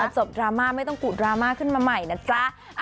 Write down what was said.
จบดราม่าไม่ต้องกุดดราม่าขึ้นมาใหม่นะจ๊ะ